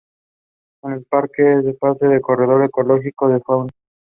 El parque es parte de un Corredor Ecológico de Fauna.